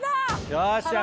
よーっしゃ！